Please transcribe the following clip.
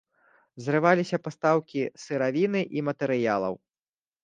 Зрываліся пастаўкі сыравіны і матэрыялаў.